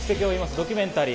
ドキュメンタリー、